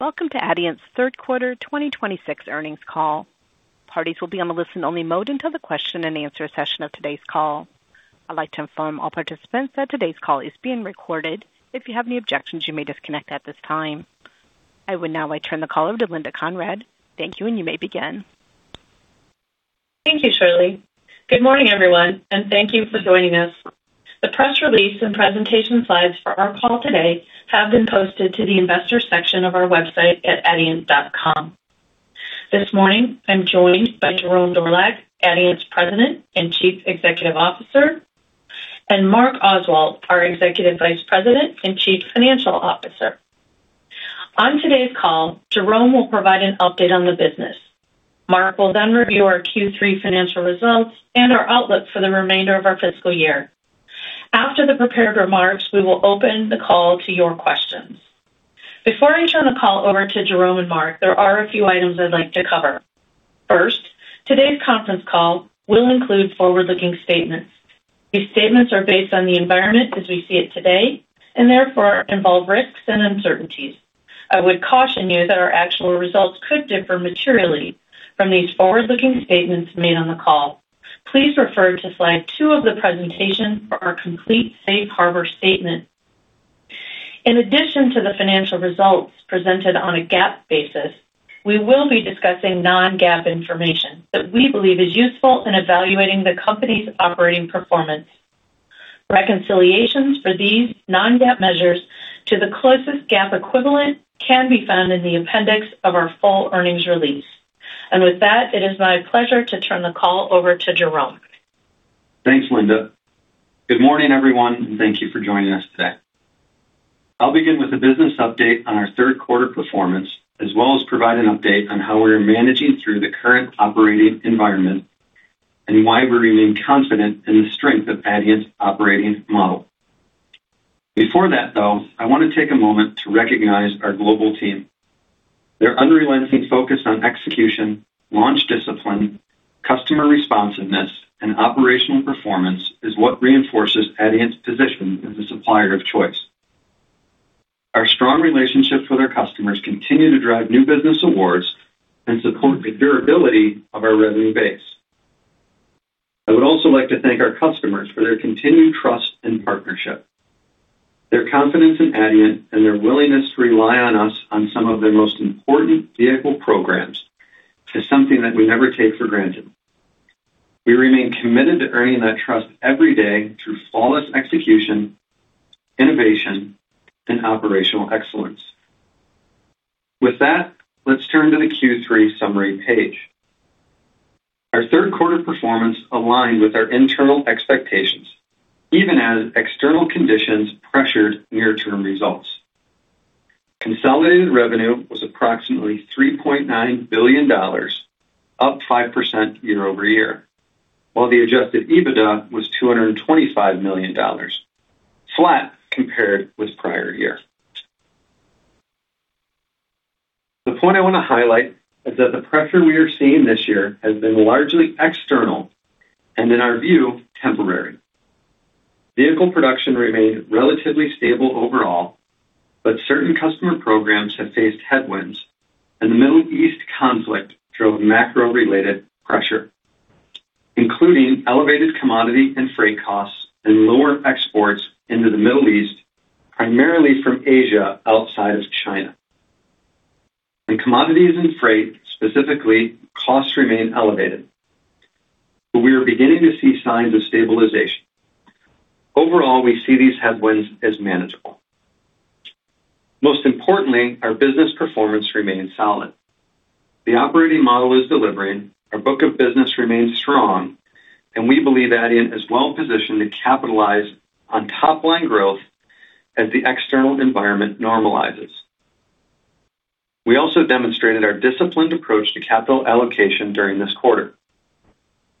Welcome to Adient's Third Quarter 2026 Earnings Call. Parties will be on a listen-only mode until the question and answer session of today's call. I'd like to inform all participants that today's call is being recorded. If you have any objections, you may disconnect at this time. I would now like to turn the call over to Linda Conrad. Thank you. You may begin. Thank you, Shirley. Good morning, everyone, and thank you for joining us. The press release and presentation slides for our call today have been posted to the investors section of our website at adient.com. This morning, I'm joined by Jerome Dorlack, Adient's President and Chief Executive Officer, and Mark Oswald, our Executive Vice President and Chief Financial Officer. On today's call, Jerome will provide an update on the business. Mark will then review our Q3 financial results and our outlook for the remainder of our fiscal year. After the prepared remarks, we will open the call to your questions. Before I turn the call over to Jerome and Mark, there are a few items I'd like to cover. First, today's conference call will include forward-looking statements. These statements are based on the environment as we see it today, and therefore involve risks and uncertainties. I would caution you that our actual results could differ materially from these forward-looking statements made on the call. Please refer to slide two of the presentation for our complete safe harbor statement. In addition to the financial results presented on a GAAP basis, we will be discussing non-GAAP information that we believe is useful in evaluating the company's operating performance. Reconciliations for these non-GAAP measures to the closest GAAP equivalent can be found in the appendix of our full earnings release. With that, it is my pleasure to turn the call over to Jerome. Thanks, Linda. Good morning, everyone, and thank you for joining us today. I'll begin with a business update on our third quarter performance, as well as provide an update on how we are managing through the current operating environment and why we remain confident in the strength of Adient's operating model. Before that, though, I want to take a moment to recognize our global team. Their unrelenting focus on execution, launch discipline, customer responsiveness, and operational performance is what reinforces Adient's position as a supplier of choice. Our strong relationships with our customers continue to drive new business awards and support the durability of our revenue base. I would also like to thank our customers for their continued trust and partnership. Their confidence in Adient and their willingness to rely on us on some of their most important vehicle programs is something that we never take for granted. We remain committed to earning that trust every day through flawless execution, innovation, and operational excellence. With that, let's turn to the Q3 summary page. Our third quarter performance aligned with our internal expectations, even as external conditions pressured near-term results. Consolidated revenue was approximately $3.9 billion, up 5% year-over-year, while the adjusted EBITDA was $225 million, flat compared with prior year. The point I want to highlight is that the pressure we are seeing this year has been largely external and, in our view, temporary. Vehicle production remained relatively stable overall, but certain customer programs have faced headwinds, and the Middle East conflict drove macro-related pressure, including elevated commodity and freight costs and lower exports into the Middle East, primarily from Asia outside of China. In commodities and freight, specifically, costs remain elevated, but we are beginning to see signs of stabilization. Overall, we see these headwinds as manageable. Most importantly, our business performance remains solid. The operating model is delivering, our book of business remains strong, and we believe Adient is well-positioned to capitalize on top-line growth as the external environment normalizes. We also demonstrated our disciplined approach to capital allocation during this quarter.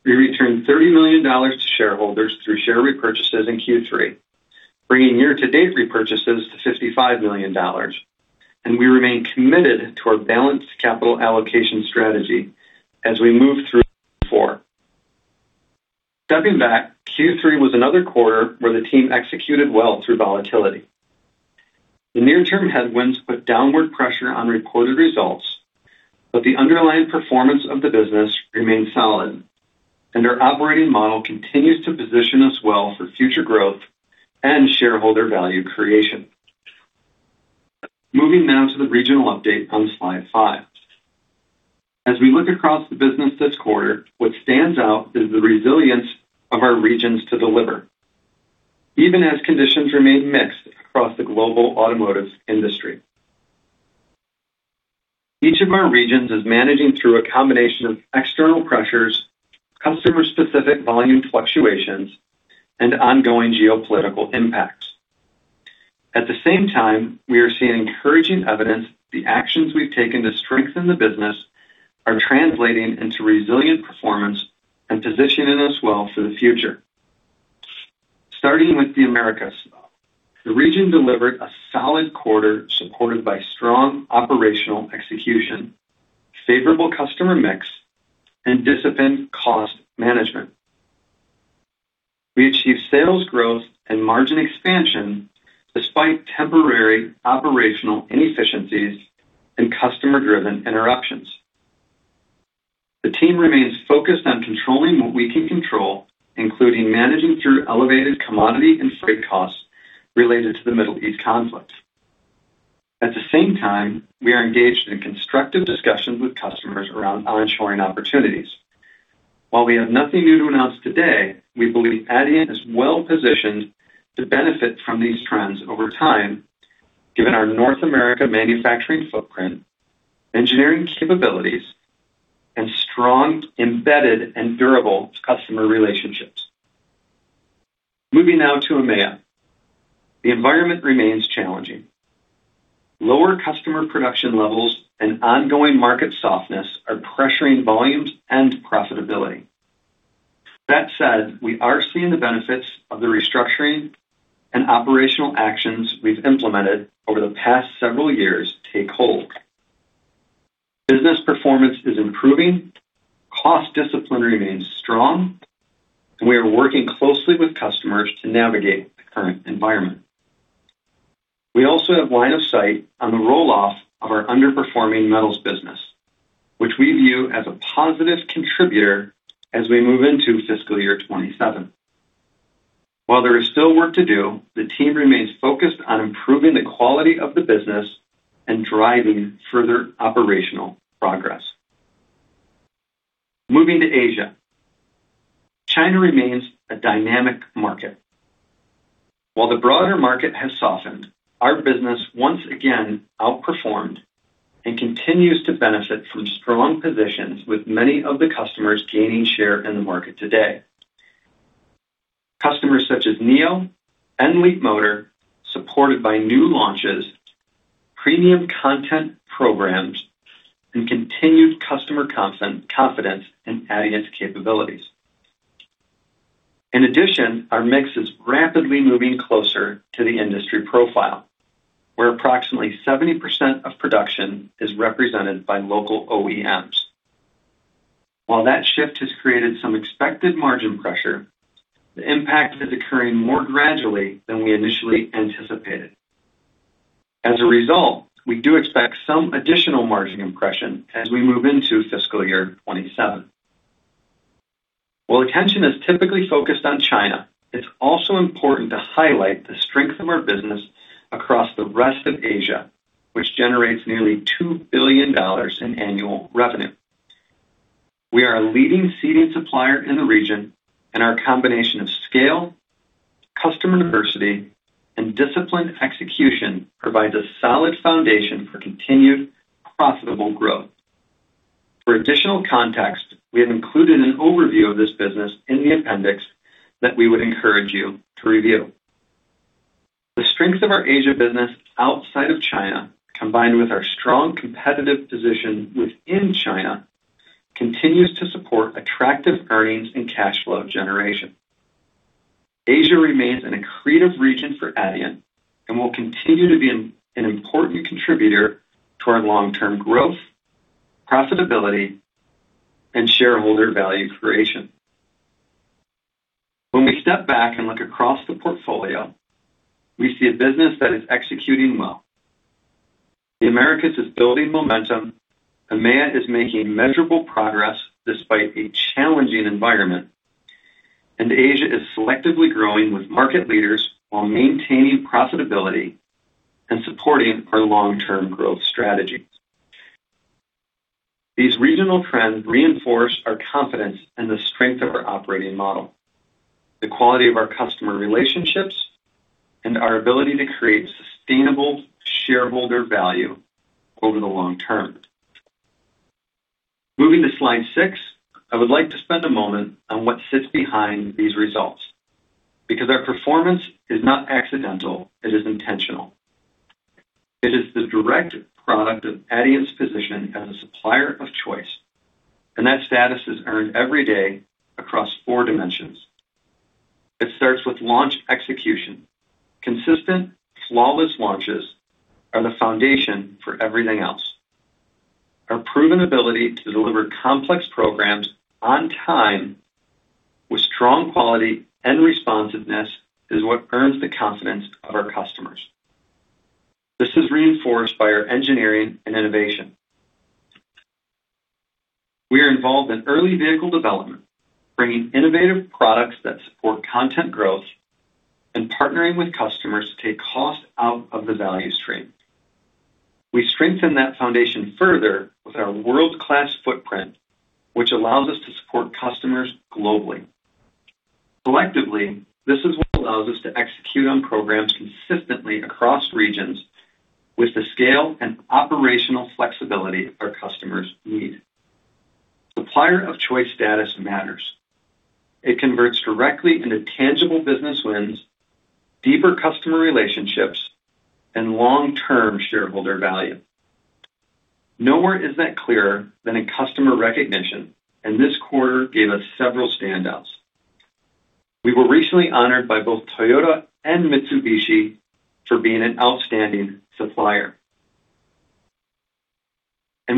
We returned $30 million to shareholders through share repurchases in Q3, bringing year-to-date repurchases to $55 million, and we remain committed to our balanced capital allocation strategy as we move through four. Stepping back, Q3 was another quarter where the team executed well through volatility. The near-term headwinds put downward pressure on reported results, but the underlying performance of the business remained solid, and our operating model continues to position us well for future growth and shareholder value creation. Moving now to the regional update on slide five. As we look across the business this quarter, what stands out is the resilience of our regions to deliver, even as conditions remain mixed across the global automotive industry. Each of our regions is managing through a combination of external pressures, customer-specific volume fluctuations, and ongoing geopolitical impacts. At the same time, we are seeing encouraging evidence the actions we've taken to strengthen the business are translating into resilient performance and positioning us well for the future. Starting with the Americas. The region delivered a solid quarter supported by strong operational execution, favorable customer mix, and disciplined cost management. We achieved sales growth and margin expansion despite temporary operational inefficiencies and customer-driven interruptions. The team remains focused on controlling what we can control, including managing through elevated commodity and freight costs related to the Middle East conflict. At the same time, we are engaged in constructive discussions with customers around onshoring opportunities. While we have nothing new to announce today, we believe Adient is well-positioned to benefit from these trends over time, given our North America manufacturing footprint, engineering capabilities, and strong embedded and durable customer relationships. Moving now to EMEA. The environment remains challenging. Lower customer production levels and ongoing market softness are pressuring volumes and profitability. That said, we are seeing the benefits of the restructuring and operational actions we've implemented over the past several years take hold. Business performance is improving. Cost discipline remains strong, and we are working closely with customers to navigate the current environment. We also have line of sight on the roll-off of our underperforming metals business, which we view as a positive contributor as we move into fiscal year 2027. While there is still work to do, the team remains focused on improving the quality of the business and driving further operational progress. Moving to Asia. China remains a dynamic market. While the broader market has softened, our business once again outperformed and continues to benefit from strong positions with many of the customers gaining share in the market today. Customers such as NIO and Leapmotor, supported by new launches, premium content programs, and continued customer confidence in Adient's capabilities. In addition, our mix is rapidly moving closer to the industry profile, where approximately 70% of production is represented by local OEMs. While that shift has created some expected margin pressure, the impact is occurring more gradually than we initially anticipated. As a result, we do expect some additional margin compression as we move into fiscal year 2027. While attention is typically focused on China, it's also important to highlight the strength of our business across the rest of Asia, which generates nearly $2 billion in annual revenue. We are a leading seating supplier in the region, and our combination of scale, customer diversity, and disciplined execution provides a solid foundation for continued profitable growth. For additional context, we have included an overview of this business in the appendix that we would encourage you to review. The strength of our Asia business outside of China, combined with our strong competitive position within China, continues to support attractive earnings and cash flow generation. Asia remains an accretive region for Adient and will continue to be an important contributor to our long-term growth, profitability, and shareholder value creation. When we step back and look across the portfolio, we see a business that is executing well. The Americas is building momentum. EMEA is making measurable progress despite a challenging environment. Asia is selectively growing with market leaders while maintaining profitability and supporting our long-term growth strategy. These regional trends reinforce our confidence in the strength of our operating model, the quality of our customer relationships, and our ability to create sustainable shareholder value over the long-term. Moving to slide six, I would like to spend a moment on what sits behind these results, because our performance is not accidental, it is intentional. It is the direct product of Adient's position as a supplier of choice, and that status is earned every day across four dimensions. It starts with launch execution. Consistent, flawless launches are the foundation for everything else. Our proven ability to deliver complex programs on time with strong quality and responsiveness is what earns the confidence of our customers. This is reinforced by our engineering and innovation. We are involved in early vehicle development, bringing innovative products that support content growth and partnering with customers to take cost out of the value stream. We strengthen that foundation further with our world-class footprint, which allows us to support customers globally. Collectively, this is what allows us to execute on programs consistently across regions with the scale and operational flexibility our customers need. Supplier of choice status matters. It converts directly into tangible business wins, deeper customer relationships, and long-term shareholder value. Nowhere is that clearer than in customer recognition, and this quarter gave us several standouts. We were recently honored by both Toyota and Mitsubishi for being an outstanding supplier.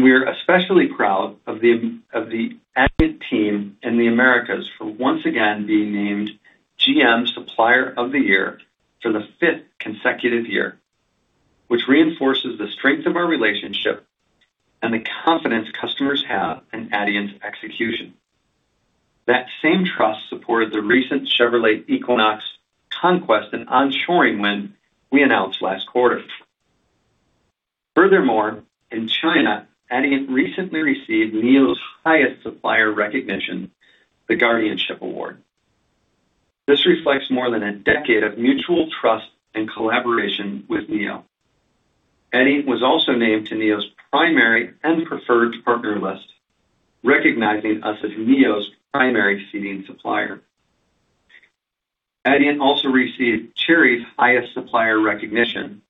We are especially proud of the Adient team in the Americas for once again being named GM Supplier of the Year for the fifth consecutive year, which reinforces the strength of our relationship and the confidence customers have in Adient's execution. That same trust supported the recent Chevrolet Equinox conquest and onshoring win we announced last quarter. Furthermore, in China, Adient recently received NIO's highest supplier recognition, the Guardianship Award. This reflects more than a decade of mutual trust and collaboration with NIO. Adient was also named to NIO's primary and preferred partner list, recognizing us as NIO's primary seating supplier. Adient also received Chery's highest supplier recognition,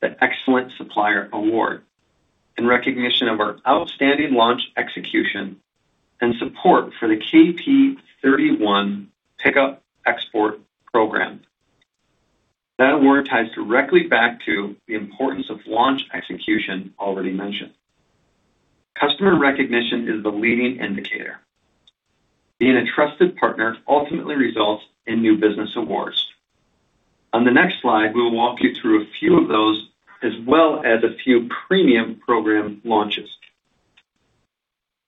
the Excellent Supplier Award, in recognition of our outstanding launch execution and support for the KP31 pickup export program. That award ties directly back to the importance of launch execution already mentioned. Customer recognition is the leading indicator. Being a trusted partner ultimately results in new business awards. On the next slide, we will walk you through a few of those, as well as a few premium program launches.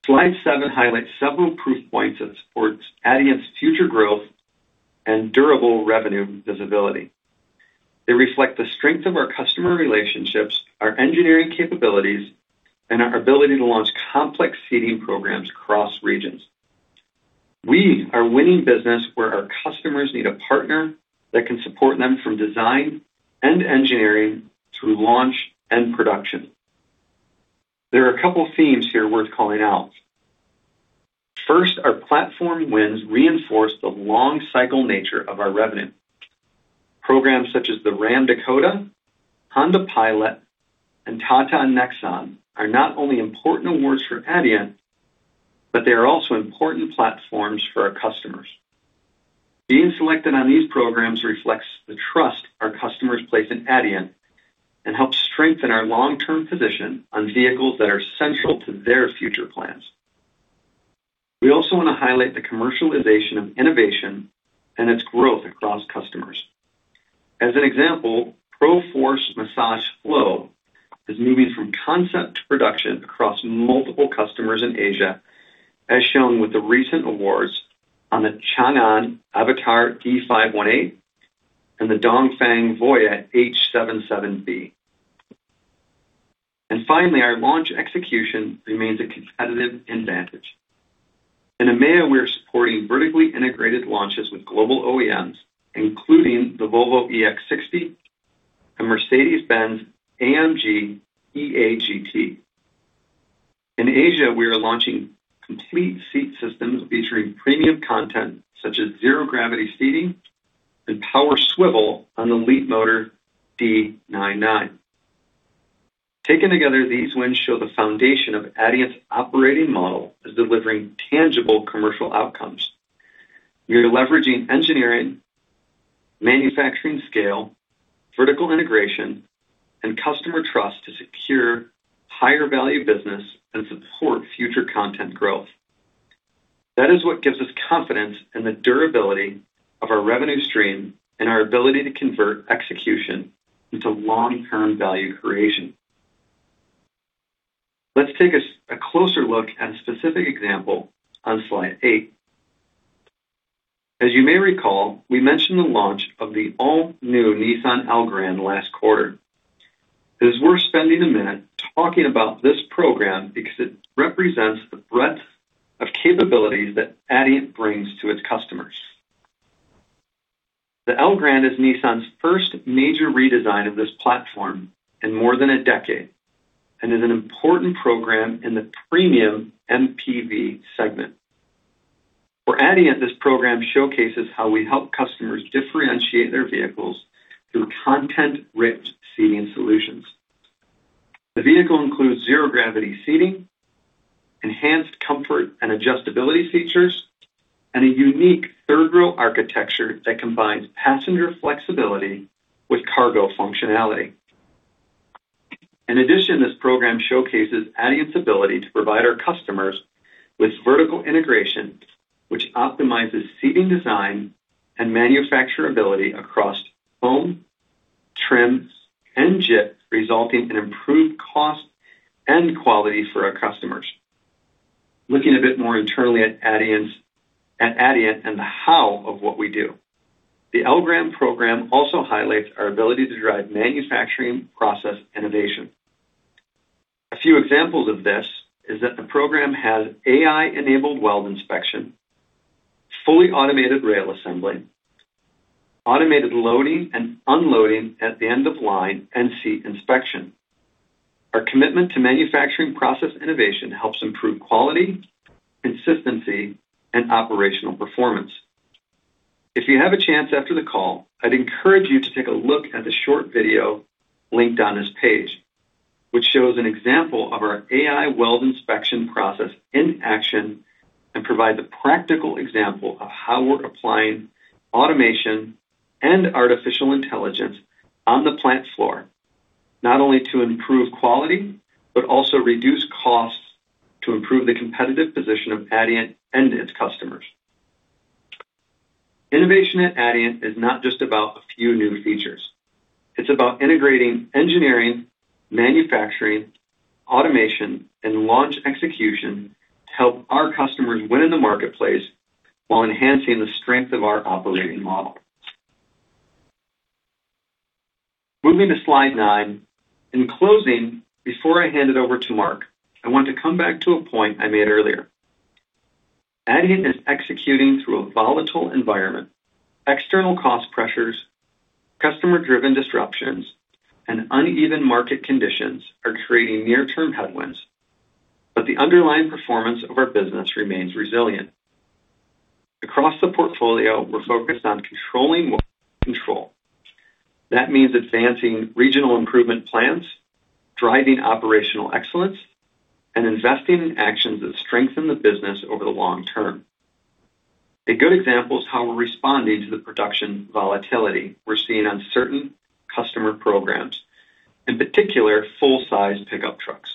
Slide seven highlights several proof points that supports Adient's future growth and durable revenue visibility. They reflect the strength of our customer relationships, our engineering capabilities, and our ability to launch complex seating programs across regions. We are winning business where our customers need a partner that can support them from design and engineering through launch and production. There are a couple themes here worth calling out. First, our platform wins reinforce the long cycle nature of our revenue. Programs such as the Ram Dakota, Honda Pilot, and Tata Nexon are not only important awards for Adient, but they are also important platforms for our customers. Being selected on these programs reflects the trust our customers place in Adient and helps strengthen our long-term position on vehicles that are central to their future plans. We also want to highlight the commercialization of innovation and its growth across customers. As an example, ProForce Massage Flow is moving from concept to production across multiple customers in Asia, as shown with the recent awards on the Changan Avatr D518 and the Dongfeng Voyah H77B. Finally, our launch execution remains a competitive advantage. In EMEA, we are supporting vertically integrated launches with global OEMs, including the Volvo EX60 and Mercedes-Benz AMG EA GT. In Asia, we are launching complete seat systems featuring premium content such as zero-gravity seating and power swivel on the Leapmotor D99. Taken together, these wins show the foundation of Adient's operating model as delivering tangible commercial outcomes. We are leveraging engineering, manufacturing scale, vertical integration, and customer trust to secure higher-value business and support future content growth. That is what gives us confidence in the durability of our revenue stream and our ability to convert execution into long-term value creation. Let's take a closer look at a specific example on slide eight. As you may recall, we mentioned the launch of the all-new Nissan Elgrand last quarter. It is worth spending a minute talking about this program because it represents the breadth of capabilities that Adient brings to its customers. The Elgrand is Nissan's first major redesign of this platform in more than a decade and is an important program in the premium MPV segment. For Adient, this program showcases how we help customers differentiate their vehicles through content-rich seating solutions. The vehicle includes zero-gravity seating, enhanced comfort and adjustability features, and a unique third-row architecture that combines passenger flexibility with cargo functionality. In addition, this program showcases Adient's ability to provide our customers with vertical integration, which optimizes seating design and manufacturability across foam, trims, and JIT, resulting in improved cost and quality for our customers. Looking a bit more internally at Adient and the how of what we do. The Elgrand program also highlights our ability to drive manufacturing process innovation. A few examples of this is that the program has AI-enabled weld inspection, fully automated rail assembly, automated loading and unloading at the end of line, and seat inspection. Our commitment to manufacturing process innovation helps improve quality, consistency, and operational performance. If you have a chance after the call, I'd encourage you to take a look at the short video linked on this page, which shows an example of our AI weld inspection process in action. Provide the practical example of how we're applying automation and artificial intelligence on the plant floor, not only to improve quality, but also reduce costs to improve the competitive position of Adient and its customers. Innovation at Adient is not just about a few new features. It's about integrating engineering, manufacturing, automation, and launch execution to help our customers win in the marketplace while enhancing the strength of our operating model. Moving to slide nine. In closing, before I hand it over to Mark, I want to come back to a point I made earlier. Adient is executing through a volatile environment. External cost pressures, customer-driven disruptions, and uneven market conditions are creating near-term headwinds. The underlying performance of our business remains resilient. Across the portfolio, we're focused on controlling what we can control. That means advancing regional improvement plans, driving operational excellence, and investing in actions that strengthen the business over the long-term. A good example is how we're responding to the production volatility we're seeing on certain customer programs, in particular, full-size pickup trucks.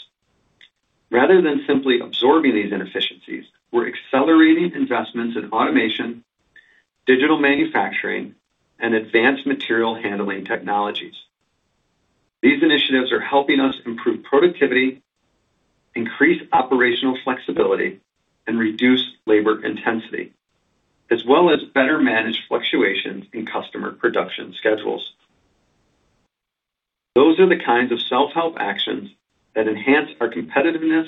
Rather than simply absorbing these inefficiencies, we're accelerating investments in automation, digital manufacturing, and advanced material handling technologies. These initiatives are helping us improve productivity, increase operational flexibility, reduce labor intensity, as well as better manage fluctuations in customer production schedules. Those are the kinds of self-help actions that enhance our competitiveness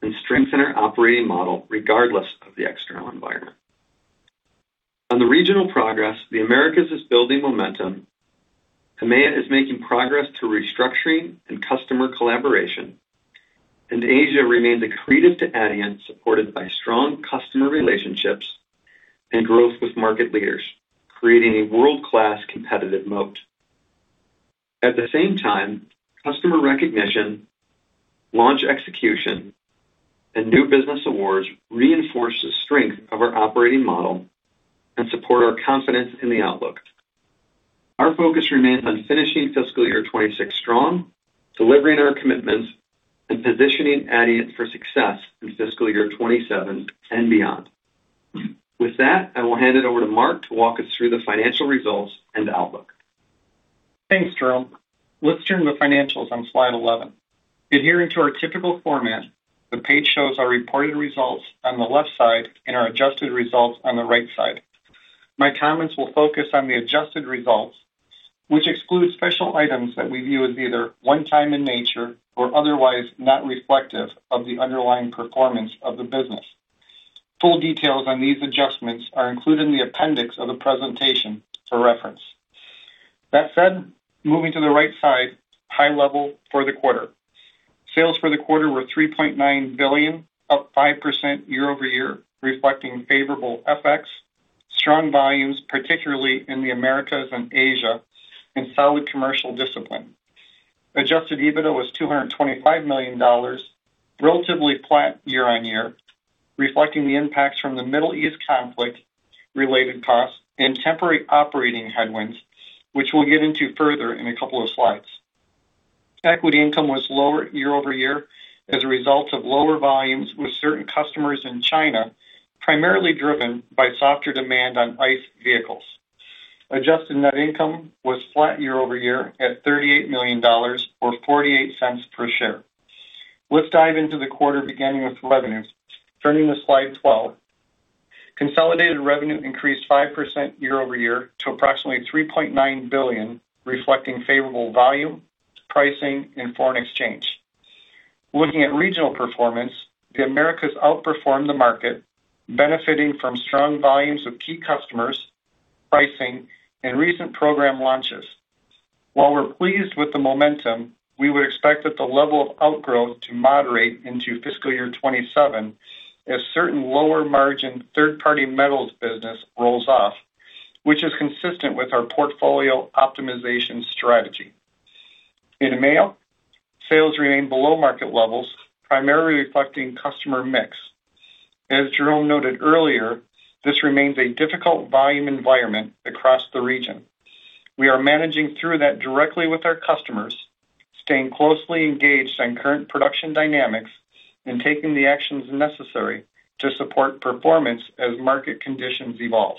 and strengthen our operating model regardless of the external environment. On the regional progress, the Americas is building momentum. EMEA is making progress through restructuring and customer collaboration. Asia remains accretive to Adient, supported by strong customer relationships and growth with market leaders, creating a world-class competitive moat. At the same time, customer recognition, launch execution, and new business awards reinforce the strength of our operating model and support our confidence in the outlook. Our focus remains on finishing fiscal year 2026 strong, delivering on our commitments, and positioning Adient for success in fiscal year 2027 and beyond. With that, I will hand it over to Mark to walk us through the financial results and outlook. Thanks, Jerome. Let's turn to financials on slide 11. Adhering to our typical format, the page shows our reported results on the left side and our adjusted results on the right side. My comments will focus on the adjusted results, which exclude special items that we view as either one time in nature or otherwise not reflective of the underlying performance of the business. Full details on these adjustments are included in the appendix of the presentation for reference. That said, moving to the right side, high level for the quarter. Sales for the quarter were $3.9 billion, up 5% year-over-year, reflecting favorable FX, strong volumes, particularly in the Americas and Asia, and solid commercial discipline. Adjusted EBITDA was $225 million, relatively flat year-on-year, reflecting the impacts from the Middle East conflict-related costs and temporary operating headwinds, which we'll get into further in a couple of slides. Equity income was lower year-over-year as a result of lower volumes with certain customers in China, primarily driven by softer demand on ICE vehicles. Adjusted net income was flat year-over-year at $38 million, or $0.48 per share. Let's dive into the quarter, beginning with revenues. Turning to slide 12. Consolidated revenue increased 5% year-over-year to approximately $3.9 billion, reflecting favorable volume, pricing, and foreign exchange. Looking at regional performance, the Americas outperformed the market, benefiting from strong volumes with key customers, pricing, and recent program launches. While we're pleased with the momentum, we would expect that the level of outgrowth to moderate into FY 2027 as certain lower margin third-party metals business rolls off, which is consistent with our portfolio optimization strategy. In EMEA, sales remained below market levels, primarily reflecting customer mix. As Jerome noted earlier, this remains a difficult volume environment across the region. We are managing through that directly with our customers, staying closely engaged on current production dynamics and taking the actions necessary to support performance as market conditions evolve.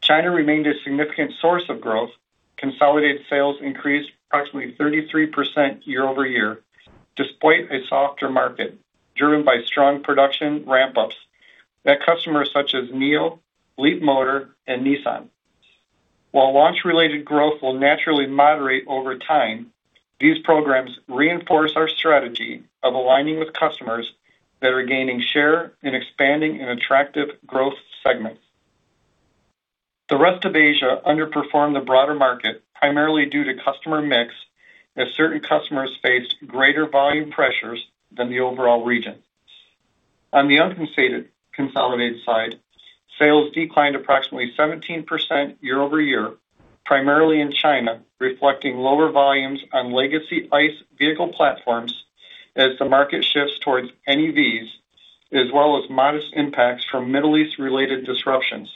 China remained a significant source of growth. Consolidated sales increased approximately 33% year-over-year, despite a softer market driven by strong production ramp-ups at customers such as NIO, Leapmotor, and Nissan. While launch-related growth will naturally moderate over time, these programs reinforce our strategy of aligning with customers that are gaining share and expanding in attractive growth segments. The rest of Asia underperformed the broader market primarily due to customer mix, as certain customers faced greater volume pressures than the overall region. On the unconsolidated side, sales declined approximately 17% year-over-year, primarily in China, reflecting lower volumes on legacy ICE vehicle platforms as the market shifts towards NEVs, as well as modest impacts from Middle East-related disruptions.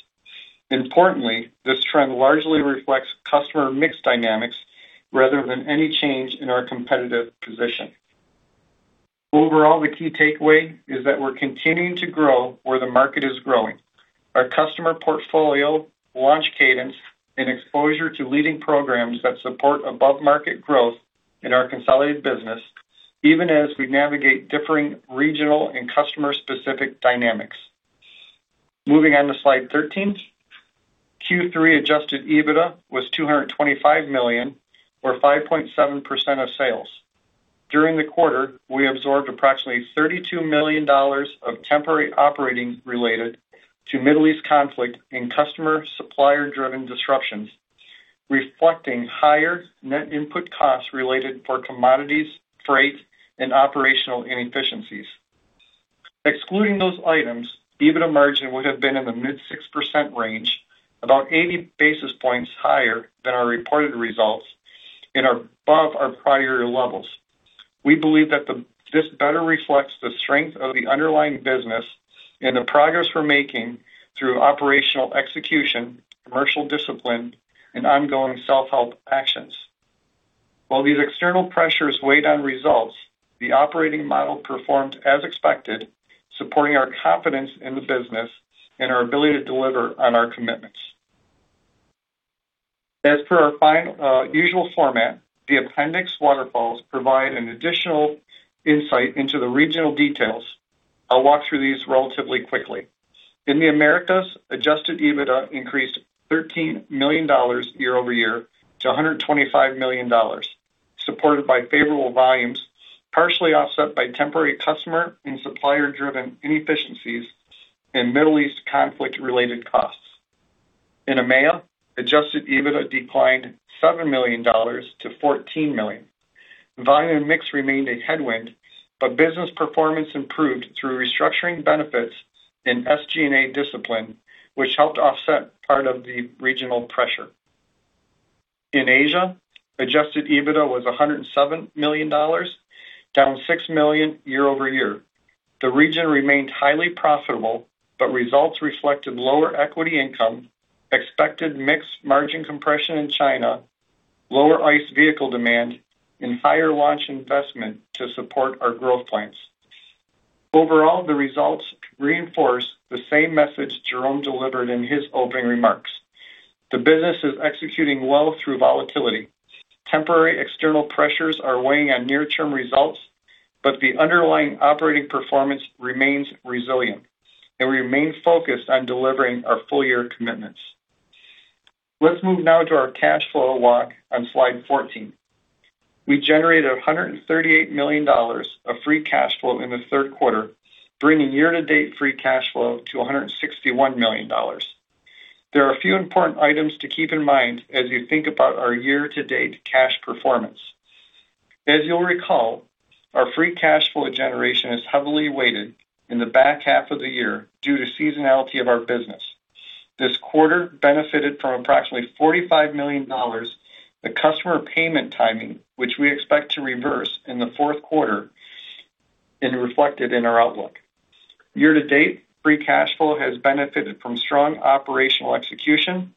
Importantly, this trend largely reflects customer mix dynamics rather than any change in our competitive position. Overall, the key takeaway is that we're continuing to grow where the market is growing. Our customer portfolio, launch cadence, and exposure to leading programs that support above-market growth in our consolidated business, even as we navigate differing regional and customer-specific dynamics. Moving on to slide 13. Q3 adjusted EBITDA was $225 million, or 5.7% of sales. During the quarter, we absorbed approximately $32 million of temporary operating related to Middle East conflict and customer supplier-driven disruptions, reflecting higher net input costs related for commodities, freight, and operational inefficiencies. Excluding those items, EBITDA margin would have been in the mid 6% range, about 80 basis points higher than our reported results and above our prior year levels. We believe that this better reflects the strength of the underlying business and the progress we're making through operational execution, commercial discipline, and ongoing self-help actions. While these external pressures weighed on results, the operating model performed as expected, supporting our confidence in the business and our ability to deliver on our commitments. As per our usual format, the appendix waterfalls provide an additional insight into the regional details. I'll walk through these relatively quickly. In the Americas, adjusted EBITDA increased $13 million year-over-year to $125 million, supported by favorable volumes, partially offset by temporary customer and supplier-driven inefficiencies and Middle East conflict-related costs. In EMEA, adjusted EBITDA declined $7 million to $14 million. Volume and mix remained a headwind, but business performance improved through restructuring benefits and SG&A discipline, which helped offset part of the regional pressure. In Asia, adjusted EBITDA was $107 million, down $6 million year-over-year. The region remained highly profitable, but results reflected lower equity income, expected mix margin compression in China, lower ICE vehicle demand, and higher launch investment to support our growth plans. Overall, the results reinforce the same message Jerome delivered in his opening remarks. The business is executing well through volatility. Temporary external pressures are weighing on near-term results, but the underlying operating performance remains resilient, and we remain focused on delivering our full-year commitments. Let's move now to our cash flow walk on slide 14. We generated $138 million of free cash flow in the third quarter, bringing year-to-date free cash flow to $161 million. There are a few important items to keep in mind as you think about our year-to-date cash performance. As you'll recall, our free cash flow generation is heavily weighted in the back half of the year due to seasonality of our business. This quarter benefited from approximately $45 million, the customer payment timing, which we expect to reverse in the fourth quarter and reflected in our outlook. Year-to-date, free cash flow has benefited from strong operational execution,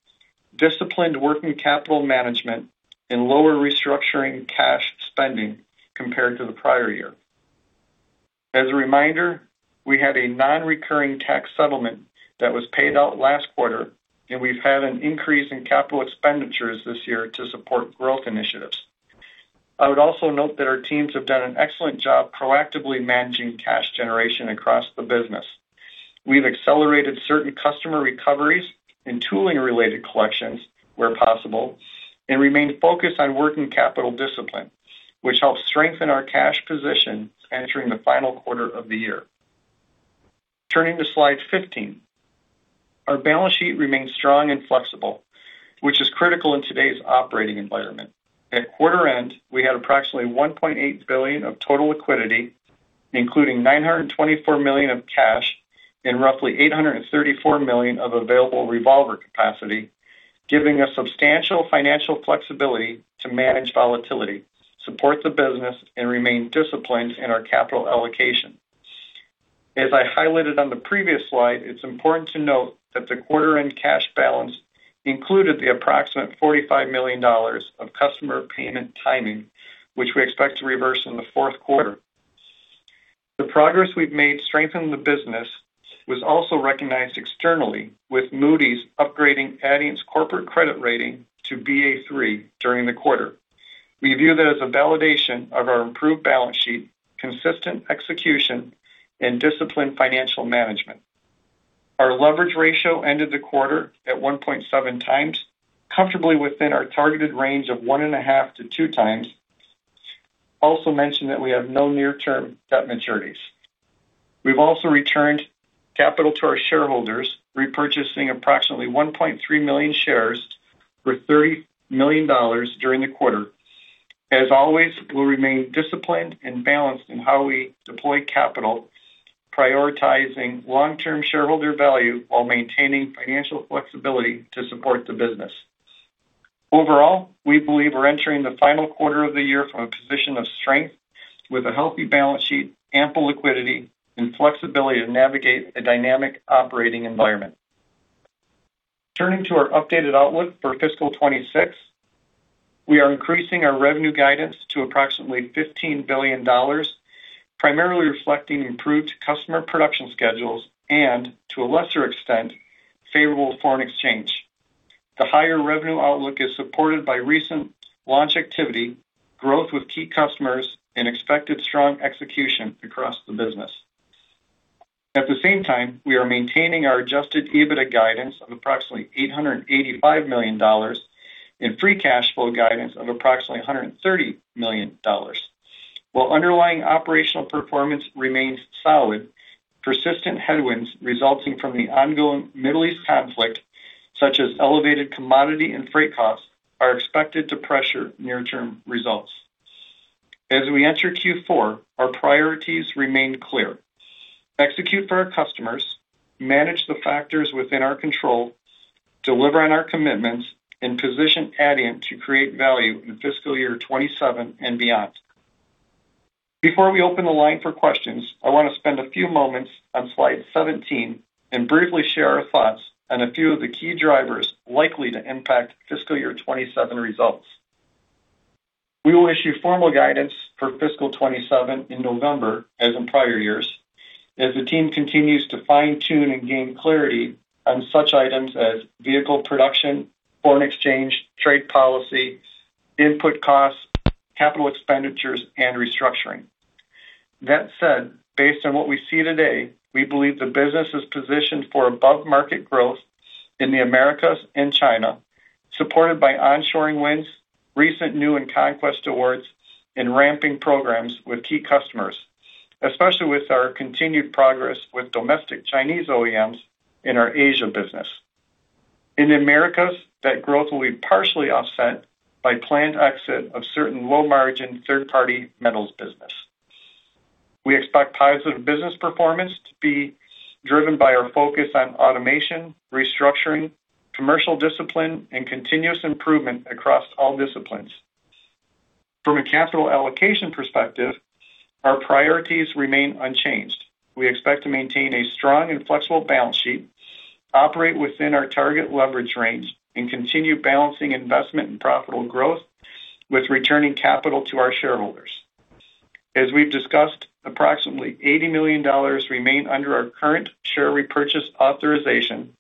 disciplined working capital management, and lower restructuring cash spending compared to the prior year. As a reminder, we had a non-recurring tax settlement that was paid out last quarter, and we've had an increase in capital expenditures this year to support growth initiatives. I would also note that our teams have done an excellent job proactively managing cash generation across the business. We've accelerated certain customer recoveries and tooling-related collections where possible and remained focused on working capital discipline, which helps strengthen our cash position entering the final quarter of the year. Turning to slide 15. Our balance sheet remains strong and flexible, which is critical in today's operating environment. At quarter end, we had approximately $1.8 billion of total liquidity, including $924 million of cash and roughly $834 million of available revolver capacity, giving us substantial financial flexibility to manage volatility, support the business, and remain disciplined in our capital allocation. As I highlighted on the previous slide, it's important to note that the quarter end cash balance included the approximate $45 million of customer payment timing, which we expect to reverse in the fourth quarter. The progress we've made strengthening the business was also recognized externally with Moody's upgrading Adient's corporate credit rating to Ba3 during the quarter. We view that as a validation of our improved balance sheet, consistent execution, and disciplined financial management. Our leverage ratio ended the quarter at 1.7x, comfortably within our targeted range of 1.5x-2x. Also mention that we have no near-term debt maturities. We've also returned capital to our shareholders, repurchasing approximately 1.3 million shares for $30 million during the quarter. As always, we'll remain disciplined and balanced in how we deploy capital, prioritizing long-term shareholder value while maintaining financial flexibility to support the business. Overall, we believe we're entering the final quarter of the year from a position of strength with a healthy balance sheet, ample liquidity, and flexibility to navigate a dynamic operating environment. Turning to our updated outlook for fiscal 2026, we are increasing our revenue guidance to approximately $15 billion, primarily reflecting improved customer production schedules and, to a lesser extent, favorable foreign exchange. The higher revenue outlook is supported by recent launch activity, growth with key customers, and expected strong execution across the business. At the same time, we are maintaining our adjusted EBITDA guidance of approximately $885 million, and free cash flow guidance of approximately $130 million. While underlying operational performance remains solid, persistent headwinds resulting from the ongoing Middle East conflict, such as elevated commodity and freight costs, are expected to pressure near-term results. As we enter Q4, our priorities remain clear: execute for our customers, manage the factors within our control, deliver on our commitments, and position Adient to create value in fiscal year 2027 and beyond. Before we open the line for questions, I want to spend a few moments on slide 17 and briefly share our thoughts on a few of the key drivers likely to impact fiscal year 2027 results. We will issue formal guidance for fiscal 2027 in November, as in prior years, as the team continues to fine-tune and gain clarity on such items as vehicle production, foreign exchange, trade policy, input costs, capital expenditures, and restructuring. That said, based on what we see today, we believe the business is positioned for above-market growth in the Americas and China, supported by onshoring wins, recent new and conquest awards, and ramping programs with key customers, especially with our continued progress with domestic Chinese OEMs in our Asia business. In the Americas, that growth will be partially offset by planned exit of certain low-margin third-party metals business. We expect positive business performance to be driven by our focus on automation, restructuring, commercial discipline, and continuous improvement across all disciplines. From a capital allocation perspective, our priorities remain unchanged. We expect to maintain a strong and flexible balance sheet, operate within our target leverage range, and continue balancing investment and profitable growth with returning capital to our shareholders. As we've discussed, approximately $80 million remain under our current share repurchase authorization.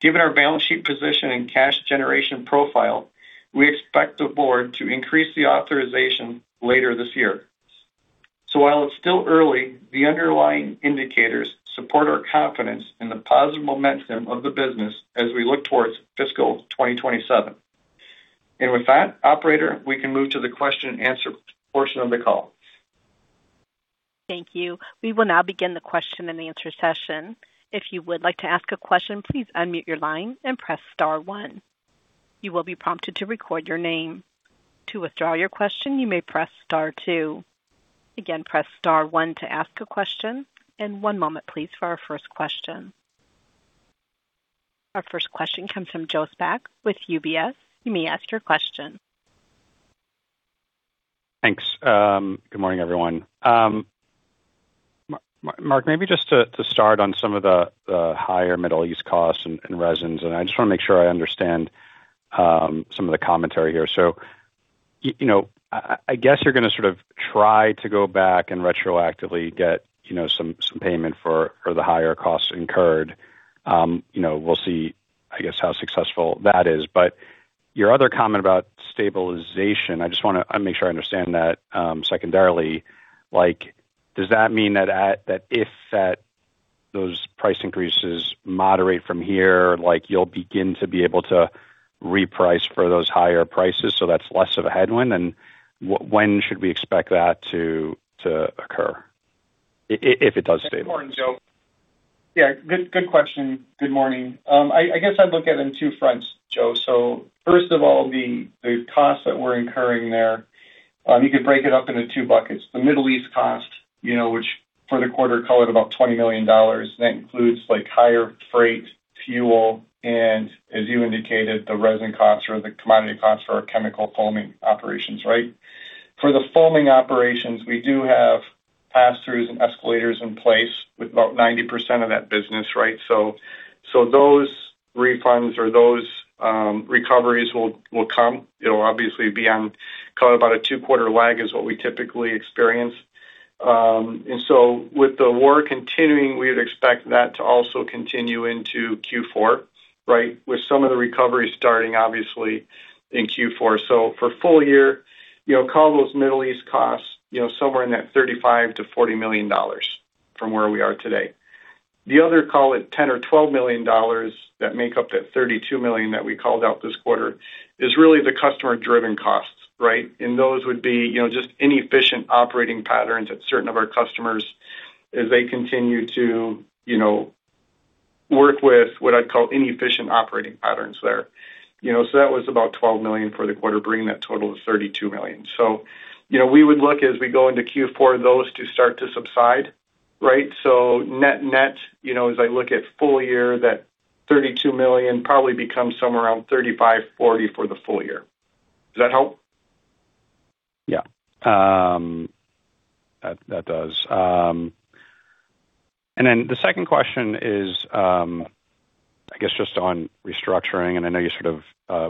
Given our balance sheet position and cash generation profile, we expect the board to increase the authorization later this year. While it's still early, the underlying indicators support our confidence in the positive momentum of the business as we look towards fiscal 2027. With that, operator, we can move to the question-and-answer portion of the call. Thank you. We will now begin the question-and-answer session. If you would like to ask a question, please unmute your line and press star one. You will be prompted to record your name. To withdraw your question, you may press star two. Again, press star one to ask a question, one moment please for our first question. Our first question comes from Joseph Spak with UBS. You may ask your question. Thanks. Good morning, everyone. Mark, maybe just to start on some of the higher Middle East costs and resins, I just want to make sure I understand some of the commentary here. I guess you're going to sort of try to go back and retroactively get some payment for the higher costs incurred. We'll see, I guess, how successful that is. Your other comment about stabilization, I just want to make sure I understand that secondarily. Does that mean that if those price increases moderate from here, you'll begin to be able to reprice for those higher prices, so that's less of a headwind? When should we expect that to occur if it does stay- Good morning, Joe. Yeah, good question. Good morning. I guess I'd look at it in two fronts, Joe. First of all, the costs that we're incurring there, you could break it up into two buckets. The Middle East cost, which for the quarter culled about $20 million. That includes higher freight, fuel, and as you indicated, the resin costs or the commodity costs for our chemical foaming operations, right? For the foaming operations, we do have pass-throughs and escalators in place with about 90% of that business, right? Those refunds or those recoveries will come. It'll obviously be on culled about a two-quarter lag is what we typically experience. With the war continuing, we would expect that to also continue into Q4, right? With some of the recovery starting obviously in Q4. For full year, call those Middle East costs somewhere in that $35 million-$40 million from where we are today. The other, call it $10 million-$12 million, that make up that $32 million that we called out this quarter is really the customer-driven costs, right? Those would be just inefficient operating patterns at certain of our customers as they continue to work with what I'd call inefficient operating patterns there. That was about $12 million for the quarter, bringing that total to $32 million. We would look as we go into Q4, those to start to subside, right? Net-net, as I look at full year, that $32 million probably becomes somewhere around $35 million-$40 million for the full year. Does that help? Yeah. That does. The second question is, I guess, just on restructuring, and I know it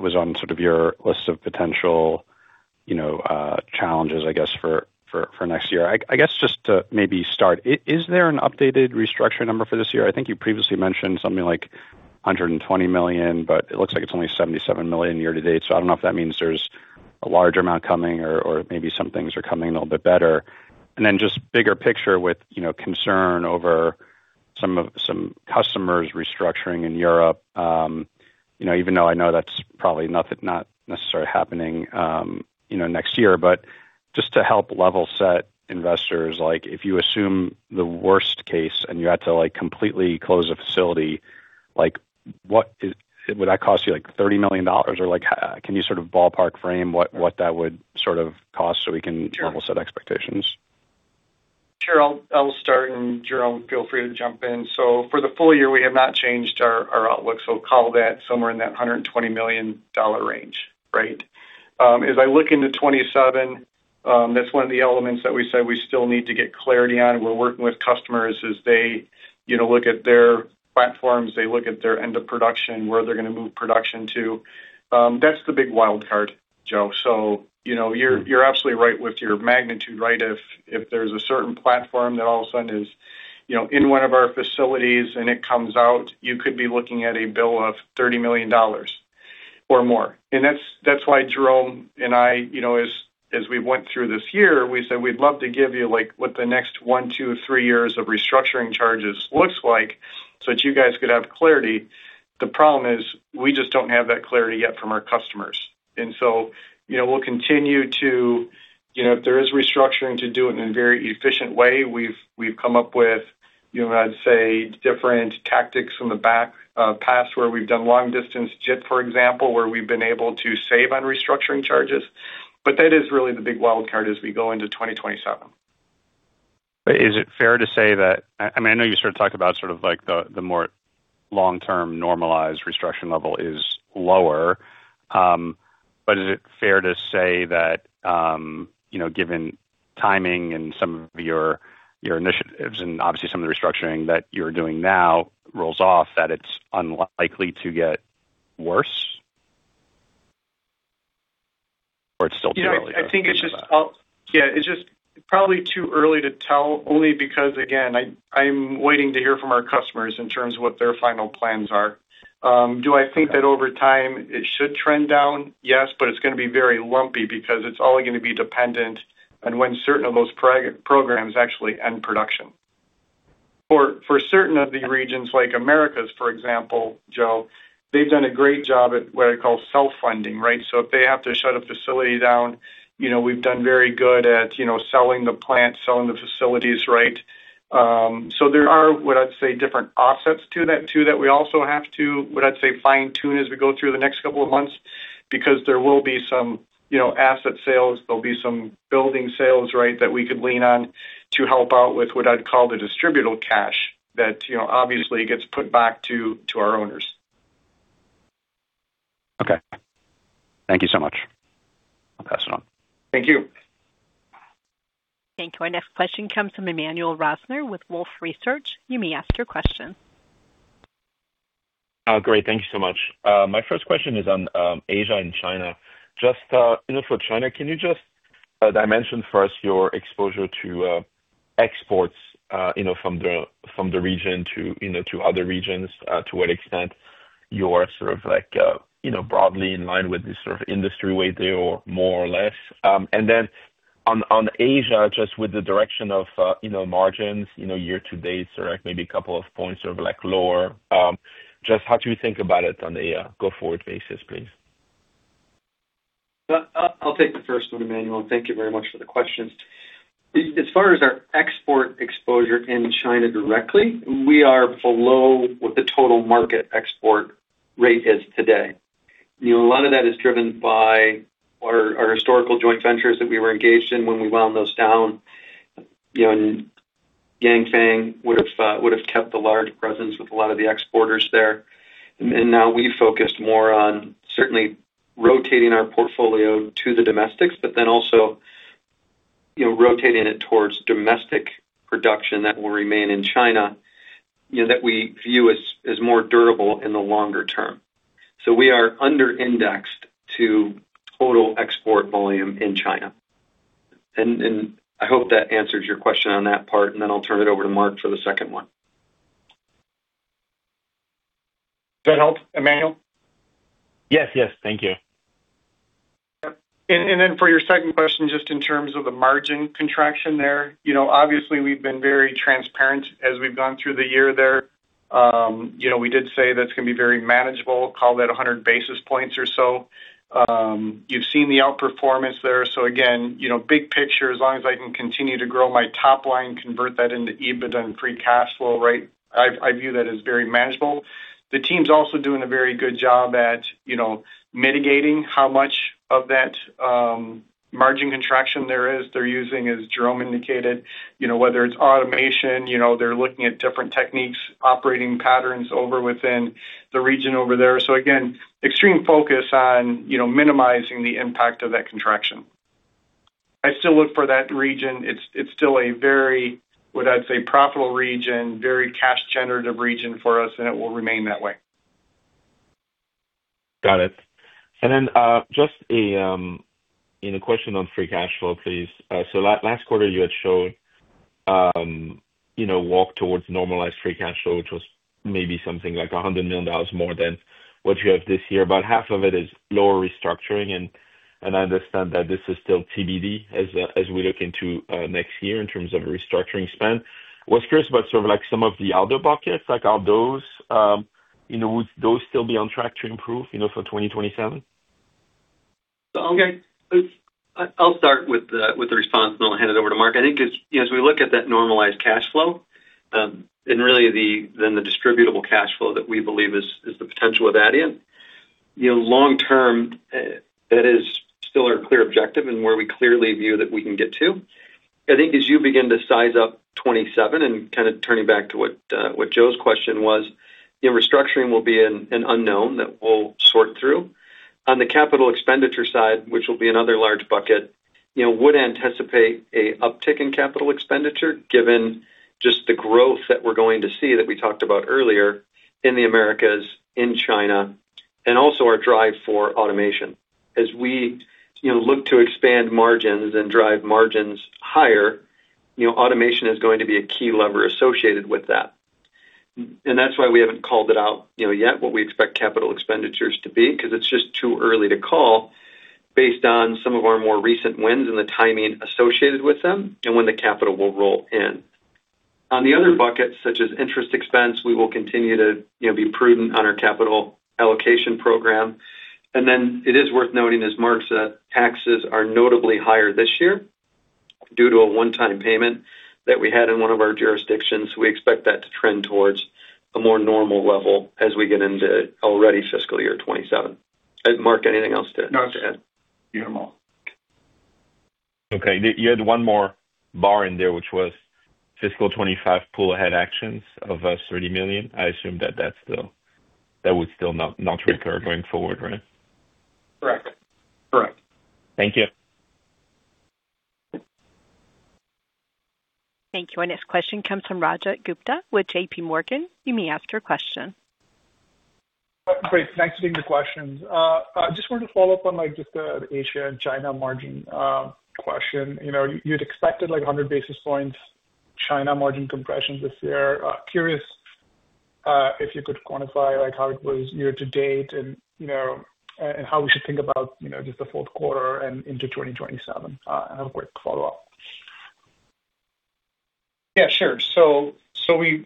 was on your list of potential challenges, I guess, for next year. I guess, just to maybe start, is there an updated restructuring number for this year? I think you previously mentioned something like $120 million, but it looks like it's only $77 million year-to-date. I don't know if that means there's a larger amount coming or maybe some things are coming in a little bit better. Just bigger picture with concern over some customers restructuring in Europe. Even though I know that's probably not necessarily happening next year. Just to help level-set investors, if you assume the worst case and you had to completely close a facility. Would that cost you $30 million, or can you ballpark frame what that would cost so we can level-set expectations? Sure. I'll start and Jerome, feel free to jump in. For the full year, we have not changed our outlook, call that somewhere in that $120 million range. Right? As I look into 2027, that's one of the elements that we said we still need to get clarity on. We're working with customers as they look at their platforms, they look at their end of production, where they're going to move production to. That's the big wild card, Joe. You're absolutely right with your magnitude, right? If there's a certain platform that all of a sudden is in one of our facilities and it comes out, you could be looking at a bill of $30 million or more. That's why Jerome and I, as we went through this year, we said we'd love to give you what the next one, two, three years of restructuring charges looks like so that you guys could have clarity. The problem is, we just don't have that clarity yet from our customers. We'll continue to, if there is restructuring, to do it in a very efficient way. We've come up with, I'd say, different tactics from the past where we've done long distance JIT, for example, where we've been able to save on restructuring charges. That is really the big wild card as we go into 2027. Is it fair to say that I know you talked about the more long-term normalized restructuring level is lower. Is it fair to say that given timing and some of your initiatives and obviously some of the restructuring that you're doing now rolls off, that it's unlikely to get worse? Or it's still too early to tell? Yeah. It's just probably too early to tell, only because, again, I'm waiting to hear from our customers in terms of what their final plans are. Do I think that over time it should trend down? Yes, but it's going to be very lumpy because it's only going to be dependent on when certain of those programs actually end production. For certain of the regions like Americas, for example, Joe, they've done a great job at what I call self-funding, right? If they have to shut a facility down, we've done very good at selling the plant, selling the facilities, right? There are, what I'd say, different offsets to that too, that we also have to, what I'd say, fine-tune as we go through the next couple of months, because there will be some asset sales, there'll be some building sales, right, that we could lean on to help out with what I'd call the distributable cash that obviously gets put back to our owners. Okay. Thank you so much. I'll pass it on. Thank you. Thank you. Our next question comes from Emmanuel Rosner with Wolfe Research. You may ask your question. Great. Thank you so much. My first question is on Asia and China. Just for China, can you just dimension first your exposure to exports from the region to other regions, to what extent you are sort of broadly in line with this sort of industry weight there or more or less. Then on Asia, just with the direction of margins, year-to-date, maybe a couple of points are lower. Just how do you think about it on the go-forward basis, please? I'll take the first one, Emmanuel, thank you very much for the questions. As far as our export exposure in China directly, we are below what the total market export rate is today. A lot of that is driven by our historical joint ventures that we were engaged in when we wound those down. Yanfeng would have kept a large presence with a lot of the exporters there. Now we focused more on certainly rotating our portfolio to the domestics, but then also rotating it towards domestic production that will remain in China that we view as more durable in the longer-term. We are under-indexed to total export volume in China. I hope that answers your question on that part, then I'll turn it over to Mark for the second one. Does that help, Emmanuel? Yes. Thank you. Then for your second question, just in terms of the margin contraction there. Obviously, we've been very transparent as we've gone through the year there. We did say that it's going to be very manageable, call that 100 basis points or so. You've seen the outperformance there. Again, big picture, as long as I can continue to grow my top line, convert that into EBITDA and free cash flow, I view that as very manageable. The team's also doing a very good job at mitigating how much of that margin contraction there is. They're using, as Jerome indicated, whether it's automation, they're looking at different techniques, operating patterns over within the region over there. Again, extreme focus on minimizing the impact of that contraction. I still look for that region. It's still a very, what I'd say, profitable region, very cash generative region for us, and it will remain that way. Got it. Just a question on free cash flow, please. Last quarter you had showed walk towards normalized free cash flow, which was maybe something like $100 million more than what you have this year. About half of it is lower restructuring, and I understand that this is still TBD as we look into next year in terms of restructuring spend. Was curious about some of the other buckets, would those still be on track to improve for 2027? Okay. I'll start with the response, then I'll hand it over to Mark. As we look at that normalized cash flow, really then the distributable cash flow that we believe is the potential of Adient. Long-term, that is still our clear objective and where we clearly view that we can get to. As you begin to size up 2027, kind of turning back to what Joe's question was, restructuring will be an unknown that we'll sort through. On the capital expenditure side, which will be another large bucket, would anticipate an uptick in capital expenditure given just the growth that we're going to see that we talked about earlier in the Americas, in China, and also our drive for automation. As we look to expand margins and drive margins higher, automation is going to be a key lever associated with that. That's why we haven't called it out yet, what we expect capital expenditures to be, because it's just too early to call based on some of our more recent wins and the timing associated with them and when the capital will roll in. On the other buckets, such as interest expense, we will continue to be prudent on our capital allocation program. It is worth noting, as Mark said, taxes are notably higher this year due to a one-time payment that we had in one of our jurisdictions. We expect that to trend towards a more normal level as we get into already fiscal year 2027. Mark, anything else to add? No, that's it. You're all. Okay. You had one more bar in there, which was fiscal 2025 pull-ahead actions of $30 million. I assume that would still not recur going forward, right? Correct. Correct. Thank you. Thank you. Our next question comes from Rajat Gupta with JP Morgan. You may ask your question. Great. Thanks for taking the questions. I just wanted to follow up on just the Asia and China margin question. You had expected 100 basis points China margin compression this year. Curious if you could quantify how it was year-to-date and how we should think about just the fourth quarter and into 2027. I have a quick follow-up. Yeah, sure.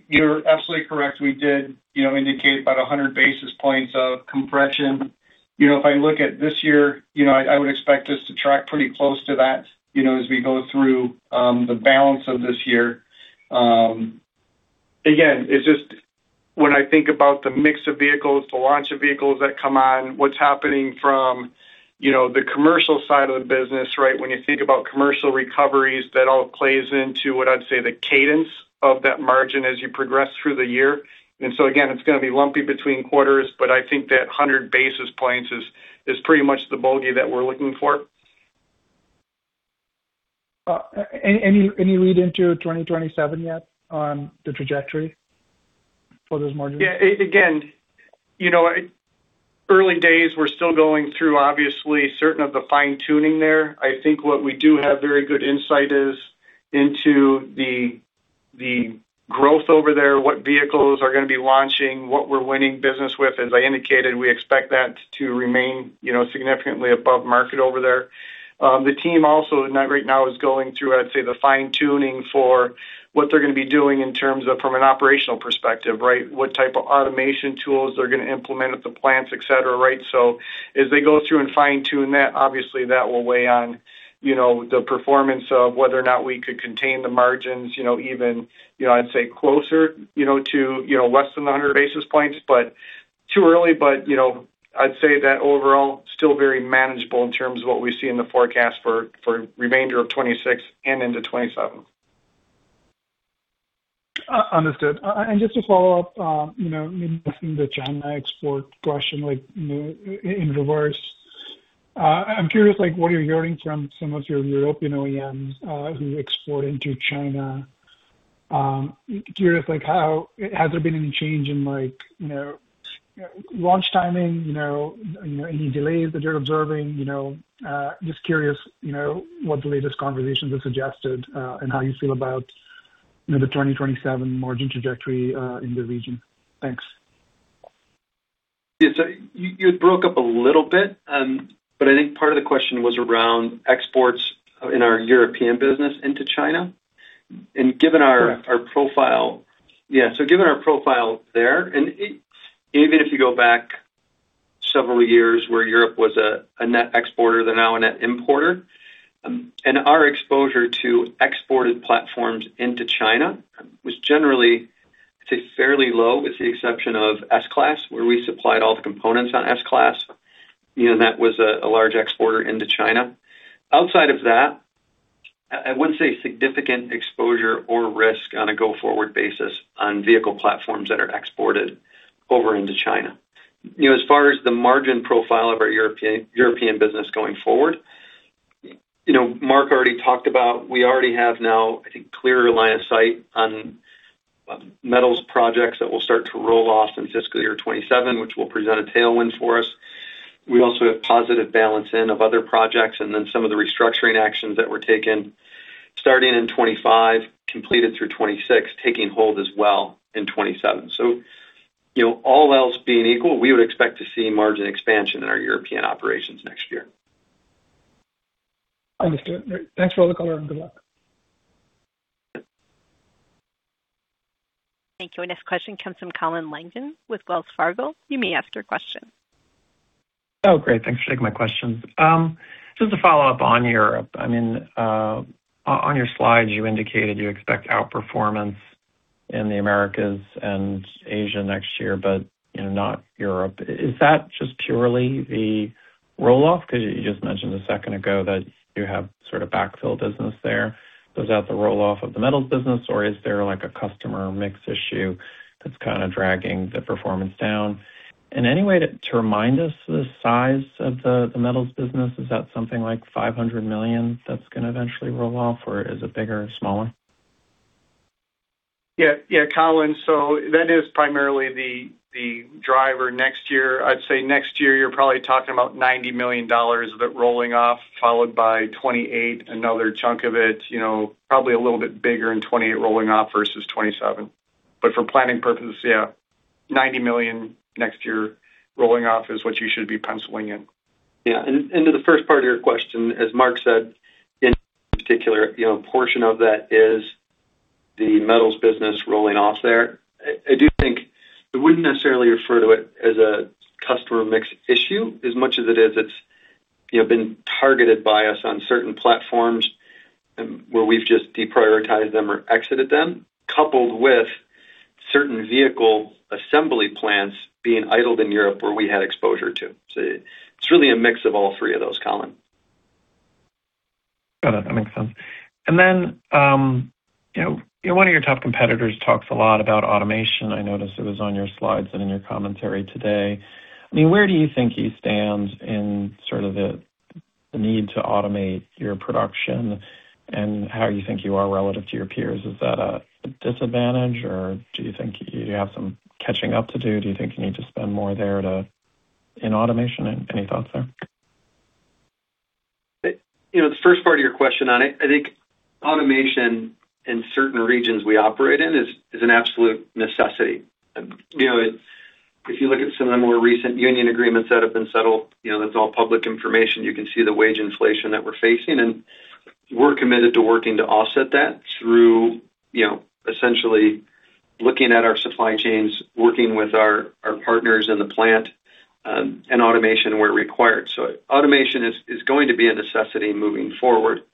You're absolutely correct. We did indicate about 100 basis points of compression. If I look at this year, I would expect us to track pretty close to that as we go through the balance of this year. Again, it's just when I think about the mix of vehicles, the launch of vehicles that come on, what's happening from the commercial side of the business. When you think about commercial recoveries, that all plays into what I'd say the cadence of that margin as you progress through the year. Again, it's going to be lumpy between quarters, but I think that 100 basis points is pretty much the bogey that we're looking for. Any lead into 2027 yet on the trajectory for those margins? Yeah. Again, early days, we're still going through, obviously, certain of the fine-tuning there. I think what we do have very good insight is into the growth over there, what vehicles are going to be launching, what we're winning business with. As I indicated, we expect that to remain significantly above market over there. The team also right now is going through, I'd say, the fine-tuning for what they're going to be doing in terms of from an operational perspective. What type of automation tools they're going to implement at the plants, et cetera. As they go through and fine-tune that, obviously that will weigh on the performance of whether or not we could contain the margins, even I'd say closer to less than 100 basis points. Too early, but I'd say that overall, still very manageable in terms of what we see in the forecast for remainder of 2026 and into 2027. Understood. Just to follow up, maybe asking the China export question in reverse. I'm curious what you're hearing from some of your European OEMs who export into China. Curious, has there been any change in launch timing? Any delays that you're observing? Just curious what the latest conversations have suggested, and how you feel about the 2027 margin trajectory in the region. Thanks. Yeah. You broke up a little bit. I think part of the question was around exports in our European business into China? Given our profile there, even if you go back several years where Europe was a net exporter, they're now a net importer. Our exposure to exported platforms into China was generally, I'd say, fairly low, with the exception of S-Class, where we supplied all the components on S-Class. That was a large exporter into China. Outside of that, I wouldn't say significant exposure or risk on a go-forward basis on vehicle platforms that are exported over into China. As far as the margin profile of our European business going forward, Mark already talked about, we already have now, I think, clearer line of sight on metals projects that will start to roll off in fiscal year 2027, which will present a tailwind for us. We also have positive balance in of other projects, then some of the restructuring actions that were taken starting in 2025, completed through 2026, taking hold as well in 2027. All else being equal, we would expect to see margin expansion in our European operations next year. Understood. Thanks for all the color and good luck. Thank you. Our next question comes from Colin Langan with Wells Fargo. You may ask your question. Oh, great. Thanks for taking my questions. Just to follow up on Europe. On your slides, you indicated you expect outperformance in the Americas and Asia next year, but not Europe. You just mentioned a second ago that you have sort of backfill business there. Is that the roll-off of the metals business, or is there a customer mix issue that's kind of dragging the performance down? Any way to remind us the size of the metals business, is that something like $500 million that's going to eventually roll off, or is it bigger or smaller? Yeah, Colin. That is primarily the driver next year. I'd say next year, you're probably talking about $90 million of it rolling off, followed by 2028, another chunk of it, probably a little bit bigger in 2028 rolling off versus 2027. For planning purposes, yeah, $90 million next year rolling off is what you should be penciling in. Yeah. To the first part of your question, as Mark said, in particular, a portion of that is the metals business rolling off there. I do think I wouldn't necessarily refer to it as a customer mix issue as much as it is it's been targeted by us on certain platforms where we've just deprioritized them or exited them, coupled with certain vehicle assembly plants being idled in Europe where we had exposure to. It's really a mix of all three of those, Colin. Got it. That makes sense. Then, one of your top competitors talks a lot about automation. I noticed it was on your slides and in your commentary today. Where do you think he stands in sort of the need to automate your production and how you think you are relative to your peers? Is that a disadvantage, or do you think you have some catching up to do? Do you think you need to spend more there in automation? Any thoughts there? The first part of your question on it, I think automation in certain regions we operate in is an absolute necessity. If you look at some of the more recent union agreements that have been settled, that's all public information. You can see the wage inflation that we're facing, we're committed to working to offset that through essentially looking at our supply chains, working with our partners in the plant, and automation where required. Automation is going to be a necessity moving forward.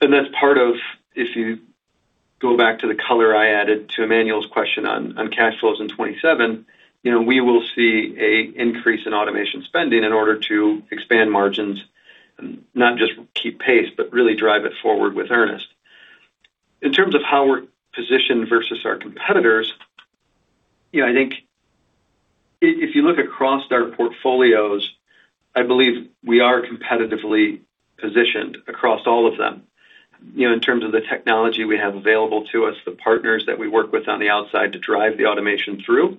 That's part of, if you go back to the color I added to Emmanuel's question on cash flows in 2027, we will see an increase in automation spending in order to expand margins, not just keep pace, but really drive it forward with earnest. In terms of how we're positioned versus our competitors, I think if you look across our portfolios, I believe we are competitively positioned across all of them. In terms of the technology we have available to us, the partners that we work with on the outside to drive the automation through,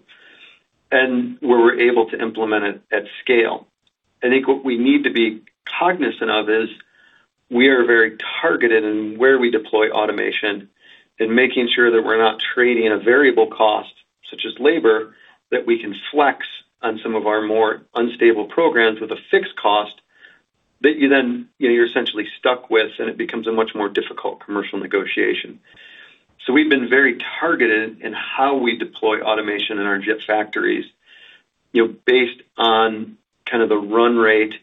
and where we're able to implement it at scale. I think what we need to be cognizant of is we are very targeted in where we deploy automation and making sure that we're not trading a variable cost such as labor that we can flex on some of our more unstable programs with a fixed cost that you then, you're essentially stuck with, and it becomes a much more difficult commercial negotiation. We've been very targeted in how we deploy automation in our JIT factories based on kind of the run rate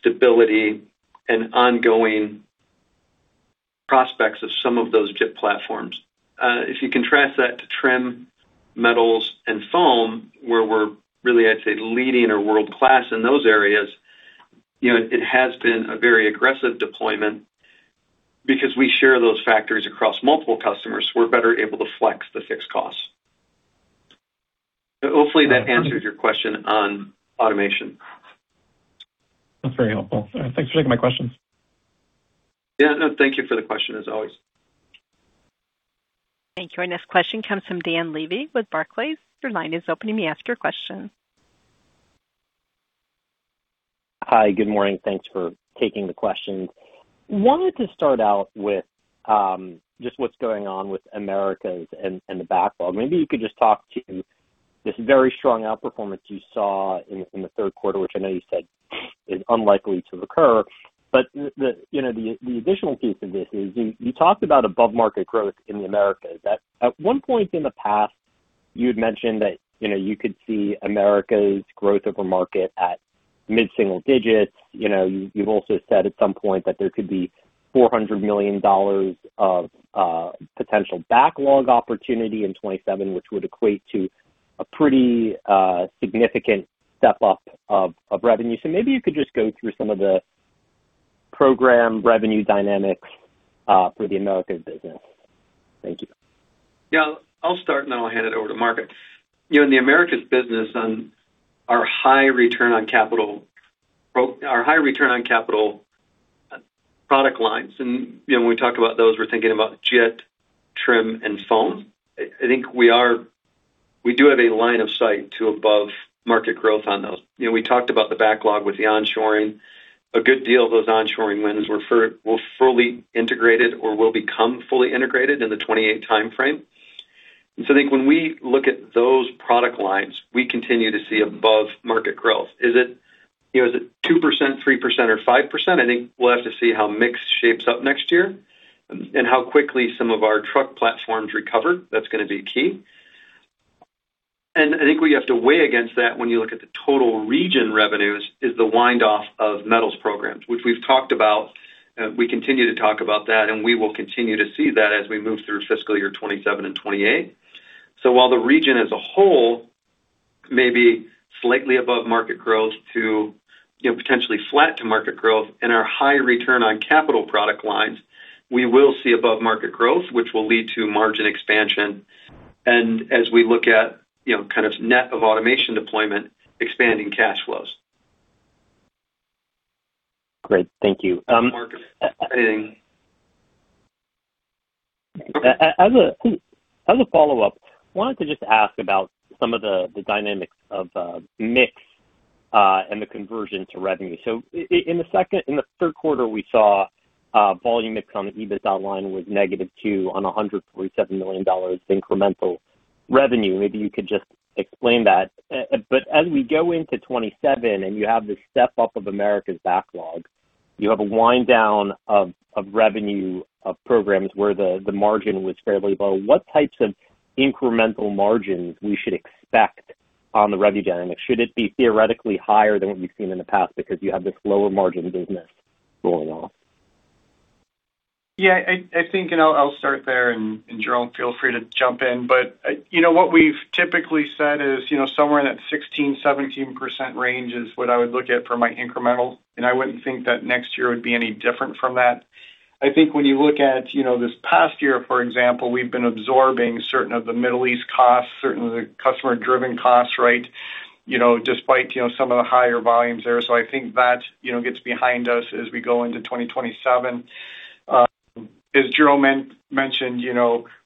stability and ongoing prospects of some of those JIT platforms. If you contrast that to trim metals and foam, where we're really, I'd say, leading or world-class in those areas, it has been a very aggressive deployment because we share those factories across multiple customers. We're better able to flex the fixed costs. Hopefully that answers your question on automation. That's very helpful. Thanks for taking my questions. Yeah. No, thank you for the question, as always. Thank you. Our next question comes from Dan Levy with Barclays. Your line is open. You may ask your question. Hi. Good morning. Thanks for taking the questions. Wanted to start out with just what's going on with Americas and the backlog. Maybe you could just talk to this very strong outperformance you saw in the third quarter, which I know you said is unlikely to recur. The additional piece of this is you talked about above-market growth in the Americas. At one point in the past, you had mentioned that you could see America's growth over market at mid-single digits. You've also said at some point that there could be $400 million of potential backlog opportunity in 2027, which would equate to a pretty significant step up of revenue. Maybe you could just go through some of the program revenue dynamics for the Americas business. Thank you. Yeah, I'll start and then I'll hand it over to Mark. In the Americas business, on our high return on capital product lines, and when we talk about those, we're thinking about JIT, trim, and foam. I think we do have a line of sight to above-market growth on those. We talked about the backlog with the on-shoring. A good deal of those on-shoring wins were fully integrated or will become fully integrated in the 2028 timeframe. I think when we look at those product lines, we continue to see above-market growth. Is it 2%, 3%, or 5%? I think we'll have to see how mix shapes up next year and how quickly some of our truck platforms recover. That's going to be key. I think what you have to weigh against that when you look at the total region revenues is the wind-off of metals programs, which we've talked about. We continue to talk about that, and we will continue to see that as we move through fiscal year 2027 and 2028. While the region as a whole may be slightly above market growth to potentially flat to market growth in our high return on capital product lines, we will see above-market growth, which will lead to margin expansion. As we look at kind of net of automation deployment, expanding cash flows. Great. Thank you. Mark. As a follow-up, wanted to just ask about some of the dynamics of mix and the conversion to revenue. In the third quarter, we saw volume mix on EBIT online was negative two on $147 million incremental revenue. Maybe you could just explain that. As we go into 2027 and you have this step up of Americas backlog, you have a wind down of revenue of programs where the margin was fairly low. What types of incremental margins we should expect on the rev dynamic? Should it be theoretically higher than what we've seen in the past because you have this lower margin business rolling off? I think, I'll start there, and Jerome, feel free to jump in. What we've typically said is somewhere in that 16%-17% range is what I would look at for my incremental. I wouldn't think that next year would be any different from that. I think when you look at this past year, for example, we've been absorbing certain of the Middle East costs, certain of the customer-driven costs despite some of the higher volumes there. I think that gets behind us as we go into 2027. As Jerome mentioned,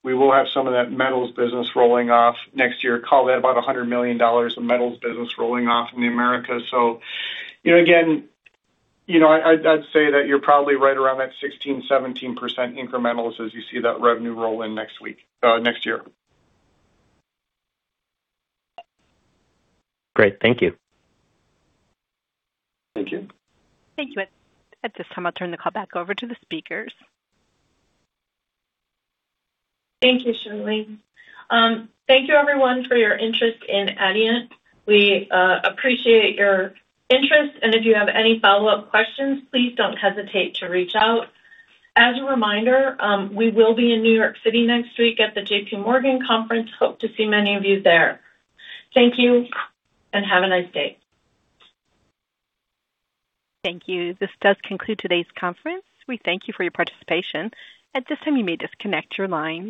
we will have some of that metals business rolling off next year. Call that about $100 million of metals business rolling off in the Americas. Again, I'd say that you're probably right around that 16%-17% incrementals as you see that revenue roll in next year. Great. Thank you. Thank you. Thank you. At this time, I'll turn the call back over to the speakers. Thank you, Charlene. Thank you everyone for your interest in Adient. We appreciate your interest, and if you have any follow-up questions, please don't hesitate to reach out. As a reminder, we will be in New York City next week at the JP Morgan conference. Hope to see many of you there. Thank you, and have a nice day. Thank you. This does conclude today's conference. We thank you for your participation. At this time, you may disconnect your line.